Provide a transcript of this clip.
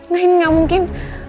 gak gak mungkin